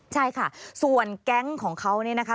ใช่ค่ะส่วนแก๊งของเขาเนี่ยนะคะ